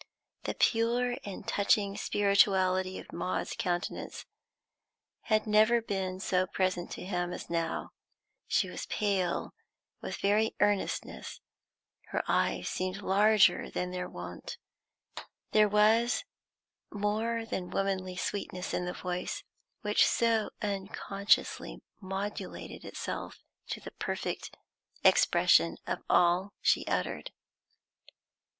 The pure and touching spirituality of Maud's countenance had never been so present to him as now; she was pale with very earnestness, her eyes seemed larger than their wont, there was more than womanly sweetness in the voice which so unconsciously modulated itself to the perfect expression of all she uttered.